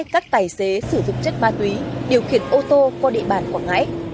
các tài xế sử dụng chất ma túy điều khiển ô tô qua địa bàn quảng ngãi